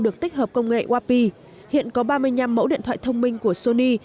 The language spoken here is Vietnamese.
được tích hợp công nghệ wapi hiện có ba mươi năm mẫu điện thoại thông minh của sony